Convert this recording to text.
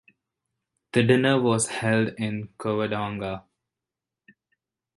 The dinner was held in Covadonga.